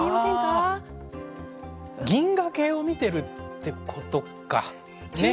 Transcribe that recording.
あー、銀河系を見てるってことか。